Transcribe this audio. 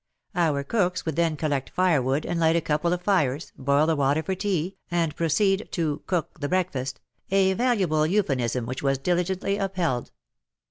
Our cooks would then collect firewood and light a couple of fires, boil the water for tea, and proceed to " cook the breakfast," a valuable euphemism which was diligently upheld.